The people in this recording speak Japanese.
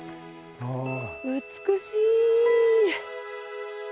美しい。